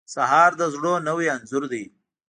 سهار د زړونو نوی انځور دی.